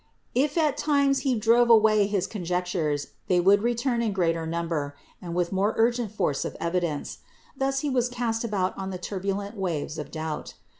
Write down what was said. If at times he drove away his conjectures, they would return in greater 306 CITY OF GOD number and with more urgent force of evidence. Thus he was cast about on the turbulent waves of doubt.